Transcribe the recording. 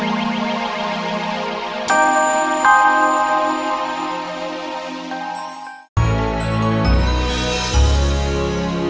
aida jangan lupa untuk mencari aida